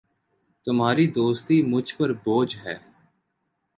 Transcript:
تمہاری دوستی مجھ پر بوجھ ہے